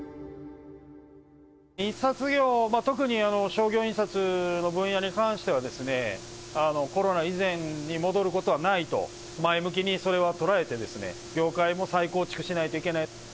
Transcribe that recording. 印刷業、特に商業印刷の分野に関しては、コロナ以前に戻ることはないと、前向きにそれは捉えて、業界も再構築しないといけない。